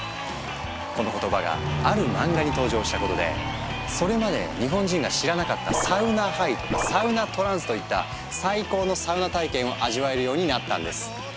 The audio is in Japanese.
この言葉がある漫画に登場したことでそれまで日本人が知らなかった「サウナハイ」とか「サウナトランス」といった最高のサウナ体験を味わえるようになったんです。